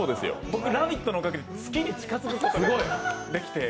僕、「ラヴィット！」のおかげで月に近づくことができて。